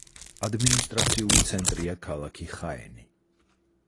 ადმინისტრაციული ცენტრია ქალაქი ხაენი.